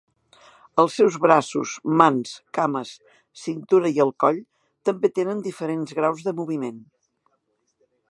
Els seus braços, mans, cames, cintura i el coll també tenen diferents graus de moviment.